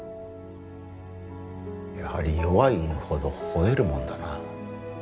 やはり弱い犬ほどほえるもんだな。